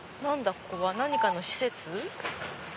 ここは何かの施設？